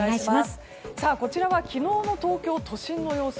こちらは昨日の東京都心の様子。